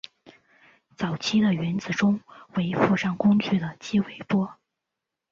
早期的原子钟为附上工具的激微波。